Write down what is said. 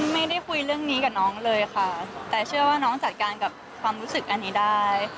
ไม่ได้คุยเรื่องนี้กับน้องเลยค่ะแต่เชื่อว่าน้องจัดการกับความรู้สึกอันนี้ได้